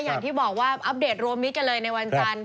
อย่างที่บอกว่าอัปเดตรวมมิตรกันเลยในวันจันทร์